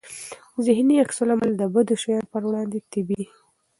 ذهني عکس العمل د بدو شیانو پر وړاندې طبيعي دی.